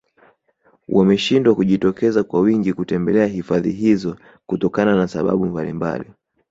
wameshindwa kujitokeza kwa wingi kutembelea hifadhi hizo kutokana na sababu mbalimbali